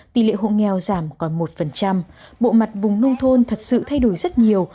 tỷ lệ hộ nghèo giảm còn một bộ mặt vùng nông thôn thật sự thay đổi rất nhiều